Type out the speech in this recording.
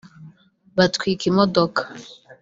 batwika imodoka